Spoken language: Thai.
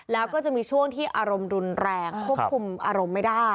แล้วก็จะมีช่วงที่อารมณ์รุนแรงควบคุมอารมณ์ไม่ได้